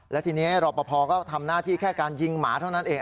และทีนี้รอปภก็ทำหน้าที่แค่การยิงหมาเท่านั้นเอง